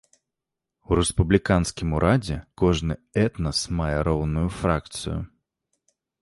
У рэспубліканскім урадзе кожны этнас мае роўную фракцыю.